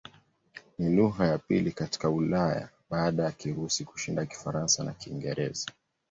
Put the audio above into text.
Ni lugha ya pili katika Ulaya baada ya Kirusi kushinda Kifaransa na Kiingereza.